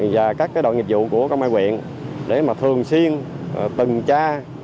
và các đội nghiệp vụ của công an quyện để thường xuyên từng tra